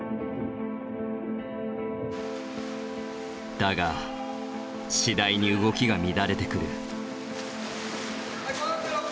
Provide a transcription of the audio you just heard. だが次第に動きが乱れてくる。